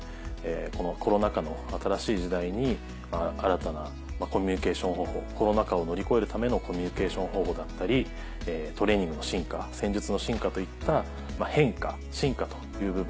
このコロナ禍の新しい時代に新たなコミュニケーション方法コロナ禍を乗り越えるためのコミュニケーション方法だったりトレーニングの進化戦術の進化といった変化進化という部分。